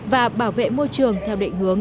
và bảo vệ môi trường theo định hướng